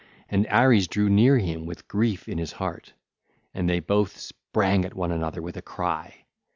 And Ares drew near him with grief in his heart; and they both sprang at one another with a cry.